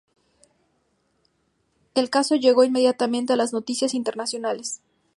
El caso llegó inmediatamente a las noticias internacionales.